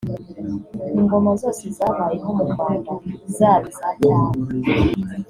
ingoma zose zabayeho mu rwanda zaba iza cyami